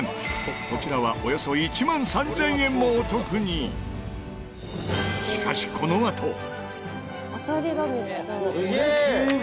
こちらはおよそ１万３０００円もお得にしかし、このあと松本：